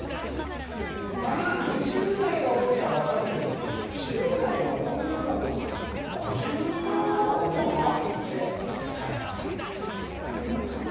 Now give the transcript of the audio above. ２０代が多いのは分かるんですけど１０代の女の子が５０人以上も、全国で逮捕されていると。